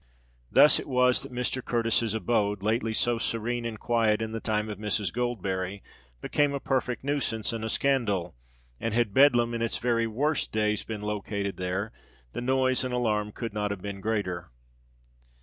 Thus it was that Mr. Curtis's abode—lately so serene and quiet in the time of Mrs. Goldberry—became a perfect nuisance and a scandal; and had Bedlam in its very worst days been located there, the noise and alarm could not have been greater.